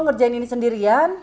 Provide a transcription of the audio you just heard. ngerjain ini sendirian